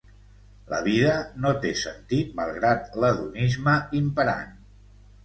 La vida no té sentit malgrat l'hedonisme imperant.